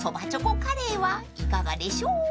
カレーはいかがでしょう？］